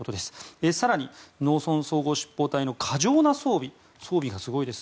更に農村総合執法隊の過剰な装備装備がすごいです。